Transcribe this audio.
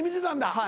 はい。